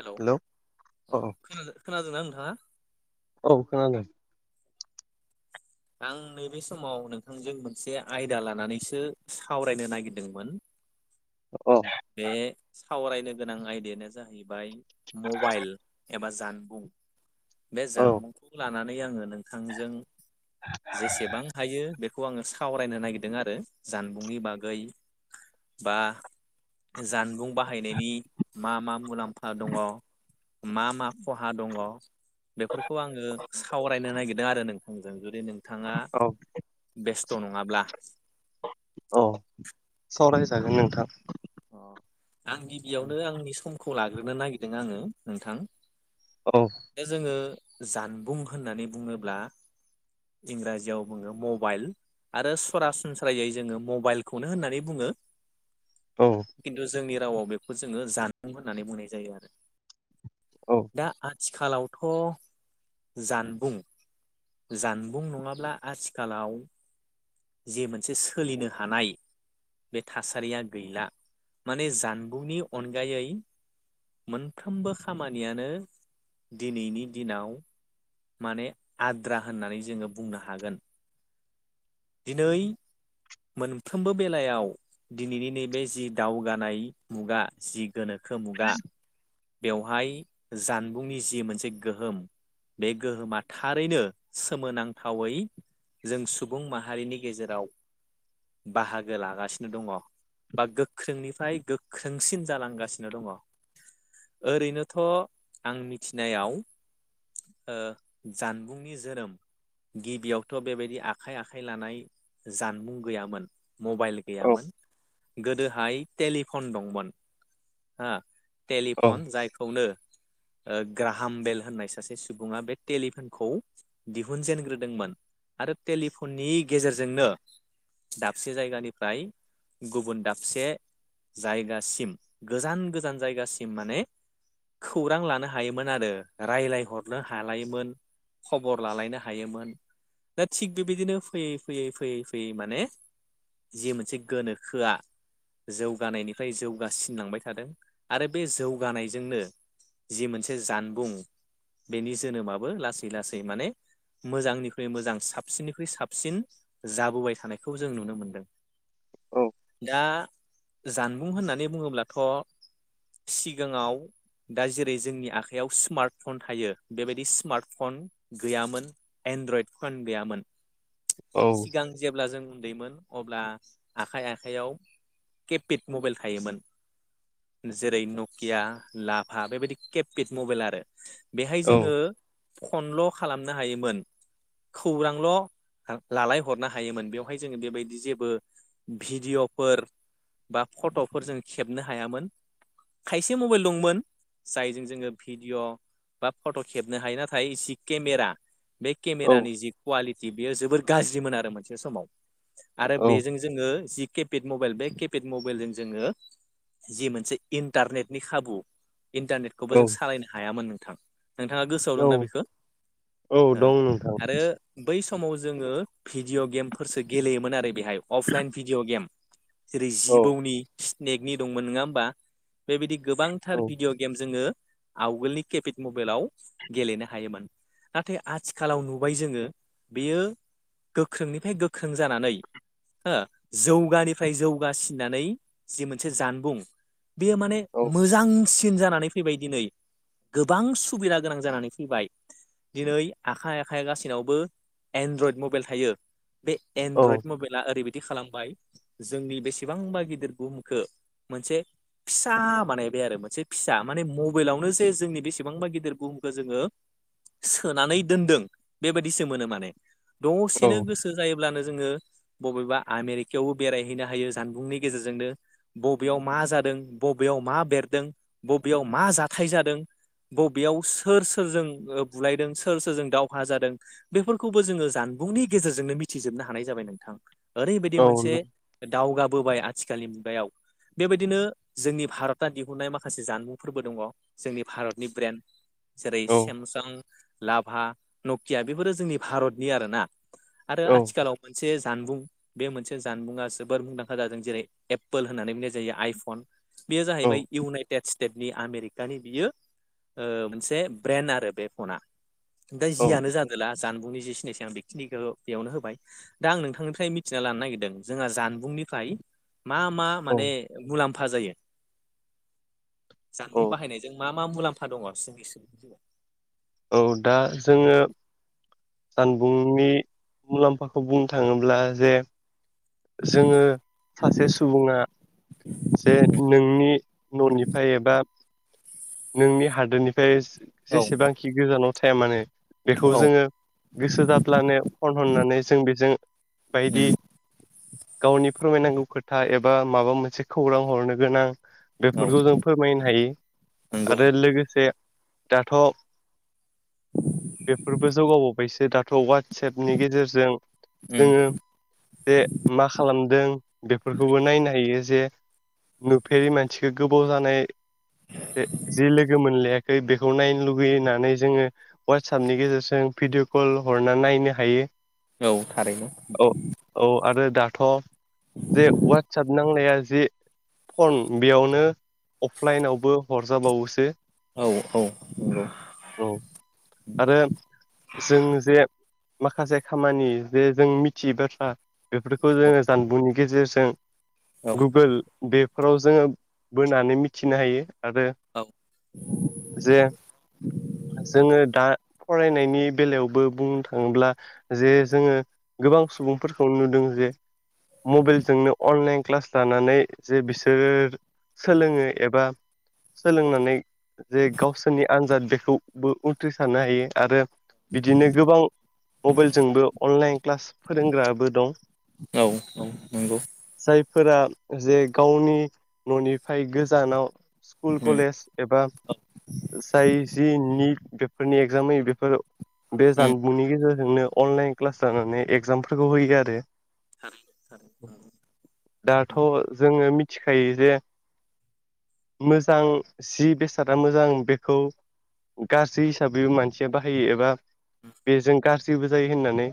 Hello अ औ खादों खोनादोंना नोंथाङा? औ खोनादों ना? आं नैबे समाव नोंथांजों मोनसे आयदा लानानैसो सावरायनो नागिरदोंमोन। अ बे सावरायनो गोनां आयदायानो जाहैबाय मबाइल एबा जान जानबुं बे औ जानबुंखौ लानानै आङो नोंथांजों। जेसेबां हायो बे खौ आङो सावरायनो नागिरदों आरो जानबुंनि बागै बा जानबुं बाहायनायनि मा मा मुलाम्फा दङ? मा मा खहा दङ। बेफोरखौ आङो सावरायनो नागिरदों आरो नोंथांजों जुदि नोंथाङा औ बेस खस्थ' नङाब्ला अ सावरायजागोन नोंथां। अ आं गिबियावनो आंनि समखौ लाग्रोनो नागिरदों आङो नोंथां। औ दा जोङो जानबुं होननानै बुङोब्ला इंराजियाव बुङो मबाइल। आरो सरासनस्रायै जोङो मबाइलखौनो होननानै बुङो। औ खिन्थु जोंनि रावाव बेखौ जोङो जानांगौ होननानै बुंनाय जायो आरो। औ दा आथिखालावथ' जानबुं। जानबुं नङाब्ला आथिखालाव। जिे मोनसे सोलिनो हानाय बे थासारिया गैला माने जानबुंनि अनगायै मोनफ्रोमबो खामानियानो दिनैनि दिनाव माने आद्रा होननानै जोङो बुंनो हागोन। दिनै मोनफ्रोमबो बेलायाव दिनैनि नैबे जि दावगानाय मुगा जि गोनोखो मुगा बेवहाय जानबुंनि जि मोनसे गोहोम बे गोहोमा थारैनो सोमोनांथावै जों सुबुं माहारिनि गेजेराव बाहागो लागासिनो दङ। बा गोख्रोंनिफ्राय गोख्रोंसिन जालांगासिनो दङ। ओरैनोथ' आं मिथिनायाव जानबुंनि जोनोम गिबियावथ' बेबायदि आखाइ आखाइ लानाय जानबुं गैयामोन मबाइल औ गैयामोन गोदोहाय टेलिफन दंमोन हो औ टेलिफन जायखौनो ग्राहाम बेल होननाय सानो। सासे सुबुङा बे टेलिफनखौ दिहुनजेनग्रोदोंमोन। आरो टेलिफननि गेजेरजोंनो। दाबसे जायगानिफ्राय गुबुन दाबसे जायगासिम गोजान गोजान जायगासिम माने खौरां लानो हायोमोन आरो रायलाय हरनो हालायोमोन खबर लालायनो हायोमोन दा थिग बेबायदिनो फैयै फैयै फैयै फैयै माने जि मोनसे गोनोखोआ जौगानायनिफ्राय जौगासिनलांबाय थादों आरो बे जौगानायजोंनो जि मोनसे जानबुं बेनि जोनोमाबो लासै लासै माने मोजांनिख्रुइ मोजां साबसिननिख्रुइ साबसिन जाबोबाय थानायखौ जों नुनो मोनदों। दा जानबुं होननानै बुङोब्लाथ' सिगाङाव दा जेरै जोंनि आखाइयाव स्मार्ट फन थायो बेबायदि स्मार्ट फन गैयामोन एन्ड्रइड फन गैयामोन औ सिगां जेब्ला जों उन्दैमोन अब्ला आखाइ आखाइयाव केपिड मबाइल थायोमोन। जेरै नकिया लाफा बेबायदि केपपिड मबाइल आरो बेहाय जोङो फनल' खालामनो हायोमोन खौरांल' लालाय हरनो हायोमोन बेवहाय जोङो बेबायदि जेबो भिडिअ'फोर बा फट'फोर जों खेबनो हायामोन खायसे मबाइल दंमोन जायजों जोङो भिडिअ' बा फट' खेबनो हायो नाथाय जि केमेरा बे केमेरानि जि क्वालिटि जि बेयो जोबोर गाज्रिमोन आरो मोनसे समाव आरो औ बेजों जोङो जि केपेड मबाइल बे केपेड मबाइलजों जोङो जि मोनसे इन्टारनेटनि खाबु इन्टारनेटखौबो जों सालायनो हायामोन नोंथां नोंथाङा गोसोआव औ दंना बेखौ औ दं नोंथां आरो बै बै समाव जोङो भिडिअ गेमफोरसो गेलेयोमोन आरो बेहाय अफलाइन भिडिअ गेम जेरै औ जिबौनि स्नेकनि दंमोन नङा होमबा बेबायदि औ गोबांथार भिडिअ' गेम जोङो आवगोलनि केपिड मबाइलाव गेलेनो हायोमोन। नाथाय आथिखालाव नुबाय जोङो बेयो गोख्रोंनिफ्राय गोख्रों जानानै हो जौगानिफ्राय जौगासिननानै जि मोनसे जानबुं बेयो माने औ मोजांसिन जानानै फैबाय दिनै गोबां सुबिदा गोनां जानानै फैबाय दिनै आखाइ आखाइ गासिनावबो एन्ड्रइड मबाइल थायो। बे औ एनड्रयड मबाइला ओरैबायदि बि खालामबाय जोंनि बेसेबांबा गिदिर बुहुमखौ मोनसे फिसा बानायबाय आरो मोनसे फिसा माने मबाइलावनो जे जोंनि बेसेबांबा गिदिर बुहुमखौ जोङो सोनानै दोनदों बेबायदिसो मोनो माने औ दसेनो गोसो जायोब्लानो जोङो बबेबा आमेरिकायावबो बेरायहैनो हायो जानबुंनि गेजेरजोंनो बबेयाव मा जादों बबेयाव मा बेरदों बबेयाव मा जाथाय जादों बबेयाव सोर सोरजों बुलायदों सोर सोरजों दावहा जादों बेफोरखौबो जोङो जान बुंनि गेजेरजोंनो मिथिजोबनो हानाय जाबाय नोंथां ओरैबायदि मोनसे दावगाबोबाय आथिखालनि मुगायाव बेबायदिनो जोंनि भारतआ दिहुननाय माखासे जानबुंफोरबो दङ जोंनि भारत नि ब्रेन्ड जेरै सेमसां लाभा नकिया बेफोरो जोंनि भारतनि आरोना आरो औ आथिखालाव मोनसे जानबुं बे मोनसे जानबुंङा जोबोर मुंदांखा जादों जेरै एप्पोल होननानै बुंनाय जायो आइफन बेयो जाहैबाय इउनाइटेड स्टेटनि आमेरिकानि बियो मोनसे ब्रेन आरो बे फना ओमफ्राय जियानो जादोंला जानबुंनि जि सिनायथि आं बेखिनिखौ बेयावनो होबाय दा आं नोंथांनिफ्राय मिथिना लानो नागिरदों जोंहा जानबुंनि बेखाय मा मा माने मुलाम्फा जायो जानबुं औ बाहायनायजों मा मा मुलाम्फा दङ जोंनिसिम औ दा जोङो जानबुंनि मुलाम्फाखौ बुंनो थाङोब्ला जे जोङो सासे सुबुंआ जे नोंनि न'निफ्राय एबा नोंनि हादोरनिफ्राय औ जेसेबांखि गोजानाव थाया मानो बेखौ औ जोङो गोसो जाब्लानो फन हरनानै जों बिजों बायदि उम गावनि फोरमायनांगौ खोथा एबा माबा मोनसे खौरां हरनो गोनां औ बेफोरखौ जों फोरमायनो हायो नंगौ आरो लोगोसे दाथ' बेफोरबो जौगाबावबायसो दाथ' वाटसेपनि गेजेरजों उम जोङो जे मा खालामदों बेफोरखौबो नायनाय ओ जे नुफेरि मानसिखो गोबाव जानाय से जि लोगो मोनलायाखै बिखौ नायनो लुगैयो होननानै जोङो वाटसापनि गेजेरजों भिडिअ कल हरना नायनो हायो। औ थारैनो। औ औ आरो दाथ' जे वाटसाप नांनाया जे फन बेयावनो अफलाइनावबो हरजाबावोसो औ औ। नंगौ औ आरो जों जे माखासे खामानि जे जों मिथियै बाथ्रा बेफोरखौ जोङो जानबुंनि गेजेरजों औ गुगोल बेफोराव जोङो बोनानै मिथिनो हायो। आरो औ जे जोङो दा फरायनायनि बेलायावबो बुंनो थाङोब्ला जे जोङो गोबां सुबुंफोर खौ नुदों जे मबाइलजोंनो अनलाइन क्लास लानानै जे बिसोर सोलोङो एबा सोलोंनानै जे गावसोरनि आनजाद बेखौबो उथ्रिसारनो हायो आरो बिदिनो गोबां मबाइलजोंबो अनलाइन क्लास फोरोंग्राबो दं औ औ नोंगौ। फोरा जे गावनि न'निफाय गोजानाव स्कुल उम कलेज एबा जाय जि निट बेफोरनि एगजामै बेफोर बे उम जानबुंनि गेजेर जोंनो अनलाइन क्लास जानानै एगजामफोरखौ होयो आरो। थारैनो थारैनो औ दाथ' जोङो मिथिखायो जे मोजां जि बेसादा मोजां बेखौ गाज्रि हिसाबैबो मानसिया बाहायो एबा बेजों गाज्रिबो जायो होननानै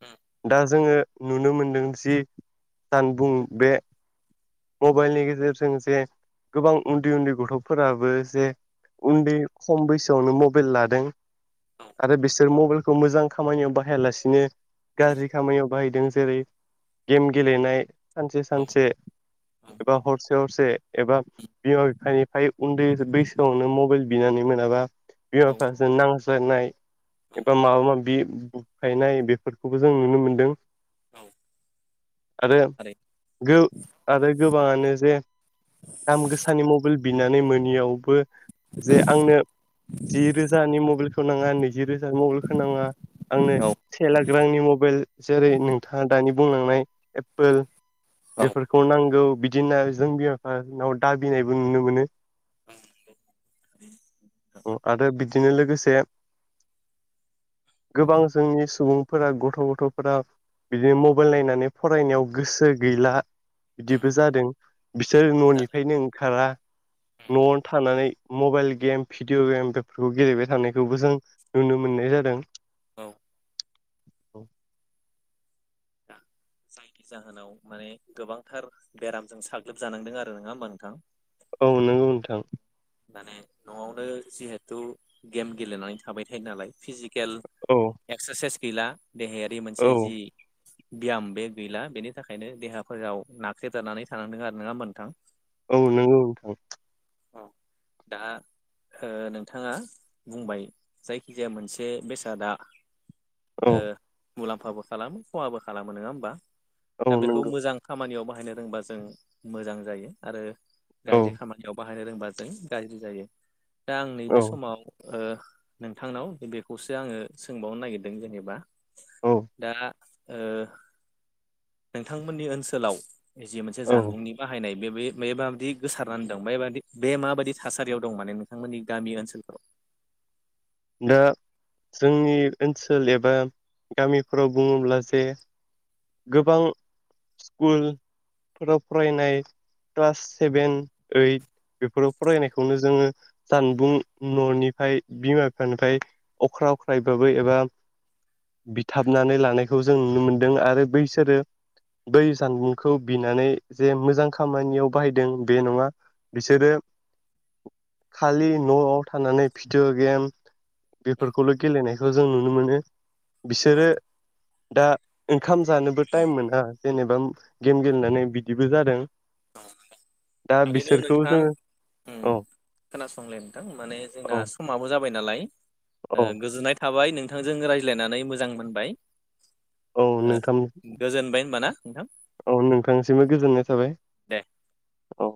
उम दा जोङो नुनो मोनदों जि जानबुं बे मबाइलनि गेजेरजों जे गोबां उन्दै उन्दै गथ'फोराबो जे उन्दै खम बैसोआवनो मबाइल लादों औ आरो बिसोर मबाइल खौ मोजां खामानियाव बाहायालासिनो गाज्रि खामानियाव बाहायदों जेरै- गेम गेलेनाय सानसे औ सानसे औ। एबा हरसे हरसे एबा बिमा बिफानिफ्राय उन्दै बैसोआवनो मबेल बिनानै मोनाबा बिमा औ बिफाजों नांज्लायनाय औ एबा माबा माबि बुफायनाय बेफोरखौबो जों नुनो मोनदों [inaudible] आरो थारैनो गो आरो गोबाङानो जे दाम गोसानि मबाइल बिनानै मोनियावबो जे आंनो जि रोजानि मबाइलखौ नाङा नैजि रोजानि मबाइलखौ नाङा आंनो औ नंगौ से लाख रांनि म बाइल जेरै- नोंथाङा दानि बुंलांनाय एप्पोल औ फोरखौ नांगौ बिदिनो जों बिमा बिफानाव दाबिनायबो नुनो मोनो नोंथां औ आरो बिदिनो लोगोसे [inaudible] गोबां जोंनि सुबुंफोरा गथ गथफोरा बिदिनो मबाइल नायनानै फरायनायाव गोसो गैला बिदिबो जादों बिसोर बिदिबो जादों ननिफ्रायनो ओंखारा [inaudible] नआवनो थानानै मबाइल गेम भिडिअ गेम बेफोरखौ गेलेबाय थानायखौबो जों नुनो मोननाय जादों औ औ [inaudible] जायनि जाहोनाव माने गोबांथार बेरामजों साग्लोबजानांदों आरो नोङा होमबा नोंथां औ नोंगौ नोंथां माने नआवनो जिहेथु गेम गेलेनानै थाबाय थायो नालाय फिजिक केल औ एक्सारसाइस गैला देहायारि मोनसे औ जि बियाम बे गैला बेनि थाखायनो देहाफोराव नाख्रेजानानै थानांदों आरो औ नोंगौ नोंथां दा ओ नोंथाङा बुंबाय जायखिजाया मोनसे बेसादा औ ओ मुलाम्फाबो खालामो खहाबो खालामो नोङा होमबा औ दा बेखौ नंगौ मोजां खामानियाव बाहायनो रोंबा जों मोजां जायो आरो औ गाज्रि खामानियाव बाहायनो रोंबा जों गाज्रि जायो दा आं औ नैबे समाव ओ नोंथांनाव बेखौसो आङो सोंबावनो नागिरदों जेनेबा औ दा ओ नोंथांमोननि ओनसोलाव जि मोनसे औ जानबुंनि बाहायनाय बे बे बे माबादि गोसारनानै दं बे बादि बे माबायदि थासारियाव दं माने नोंथांमोननि गामि ओनसोलफोराव दा जोंनि ओनसोल एबा गामिफोराव बुङोब्ला जे गोबां स्कुलफोराव फरायनाय क्लास सेभेन ओइट बेफोराव फरायनायखौनो जोङो जानबुं ननिफ्राय बिमा बिफानिफ्राय अख्रा अख्रायैबाबो एबा बिथाबनानै लानायखौ जों नुनो मोनदों आरो बैसोरो बै जानबुंखौ बिनानै जे मोजां खामानियाव बाहायदों बे नङा बिसोरो खालि नआव थानानै भिडिअ गेम बेफोरखौल गेलेनायखौ जों नुनो मोनो बिसोरो औ दा ओंखाम जानोबो टाइम मोना जेनेबा गेम गेलेनानै बिदिबो जादों [unintelligible] दा बिसोरखौ जोङो ओम औ खोनासंलाय नोंथां माने जोंना औ समाबो जाबाय नालाय ओ औ गोजोननाय थाबाय नोंथांजों रायज्लायनानै मोजां मोनबाय औ ओ नोंथां गोजोनबाय होनबा ना नोंथां औ नोंथांसिमबो गोजोननाय थाबाय दे औ